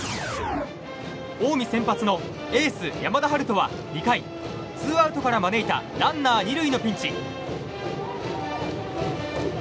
近江、先発のエース山田陽翔は２回ツーアウトから招いたランナー２塁のピンチ。